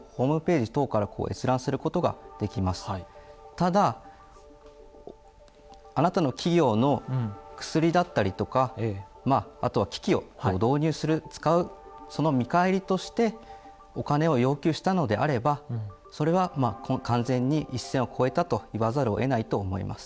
ただあなたの企業の薬だったりとかまああとは機器を導入する使うその見返りとしてお金を要求したのであればそれはまあ完全に一線を越えたと言わざるをえないと思います。